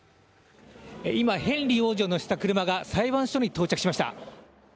今、ヘンリー王子を乗せた車が裁判所に到着しました。